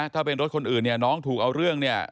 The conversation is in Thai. ถ้าเป็นรถคนอื่นเนี่ยน้องถูกเอาเรื่องเนี่ย